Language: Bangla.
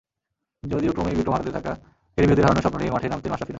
যদিও ক্রমেই বিক্রম হারাতে থাকা ক্যারিবীয়দের হারানোর স্বপ্ন নিয়েই মাঠে নামতেন মাশরাফিরা।